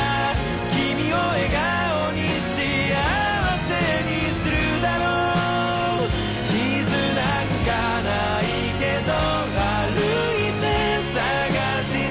「君を笑顔に幸せにするだろう」「地図なんかないけど歩いて探して」